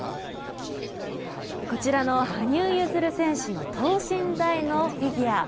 こちらの羽生結弦選手の等身大のフィギュア。